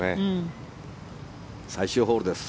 最終ホールです。